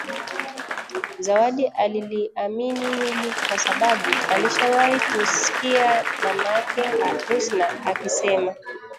Zawadi aliliamini hili kwa sababu alishawahi kuskia mamake Husna akisema